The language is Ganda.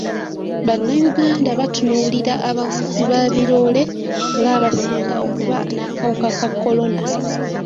Bannayuganda batunuulira abavuzi ba biroole ng'abasinga okuba n'akawuka ka kolona.